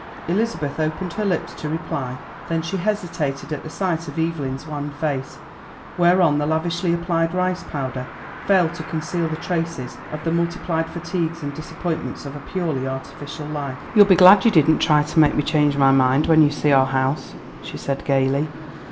Elizabeth opened her lips to reply; then she hesitated at sight of Evelyn's wan face, whereon the lavishly applied rice powder failed to conceal the traces of the multiplied fatigues and disappointments of a purely artificial life. "You'll be glad you didn't try to make me change my mind when you see our house," she said gaily.